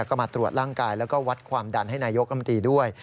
ก็มาตรวจร่างกายแล้วก็วัดความดันให้นายกรรมตรีด้วย